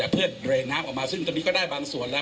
เพื่อเรน้ำออกมาซึ่งตอนนี้ก็ได้บางส่วนแล้ว